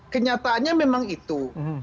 kenyataannya memang itu